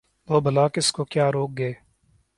وہ بلا کس کو کیا روک گے ۔